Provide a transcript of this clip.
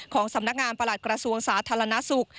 ของสำนักงานประหลัดกระทรวงสาธารณสุข